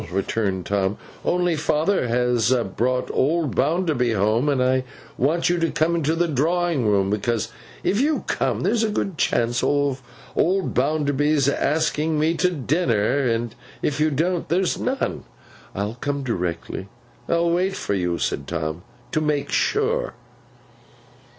returned Tom. 'Only father has brought old Bounderby home, and I want you to come into the drawing room. Because if you come, there's a good chance of old Bounderby's asking me to dinner; and if you don't, there's none.' 'I'll come directly.' 'I'll wait for you,' said Tom, 'to make sure.